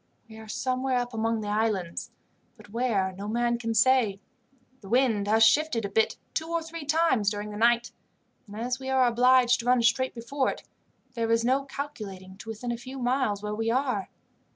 We are somewhere up among the islands, but where, no man can say. The wind has shifted a bit two or three times during the night, and, as we are obliged to run straight before it, there is no calculating to within a few miles where we are.